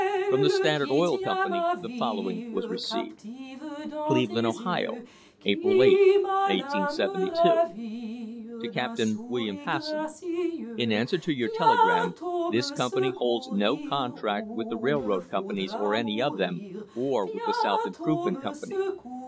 From the Standard Oil Company the following was received: Cleveland, Ohio, April 8, 1872. To Captain William Hasson : In answer to your telegram, this company holds no contract with the railroad companies or any of them, or with the South Improvement Company.